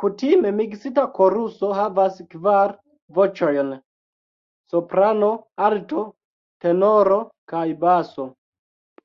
Kutime miksita koruso havas kvar voĉojn: Soprano, Alto, Tenoro kaj Baso.